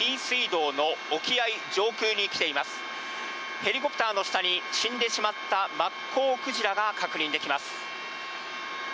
ヘリコプターの下に死んでしまったマッコウクジラが確認できます。